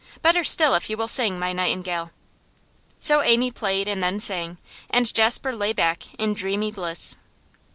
Better still if you will sing, my nightingale!' So Amy first played and then sang, and Jasper lay back in dreamy bliss.